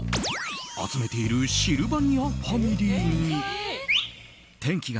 集めているシルバニアファミリーに。